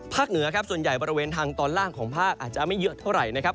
เหนือครับส่วนใหญ่บริเวณทางตอนล่างของภาคอาจจะไม่เยอะเท่าไหร่นะครับ